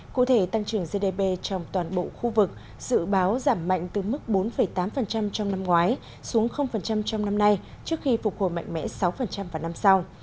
cụ thể tăng trưởng gdp trong toàn bộ khu vực dự báo giảm mạnh từ mức bốn tám trong năm ngoái xuống trong năm nay trước khi phục hồi mạnh mẽ sáu vào năm sau